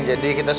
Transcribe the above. jadi kita sudah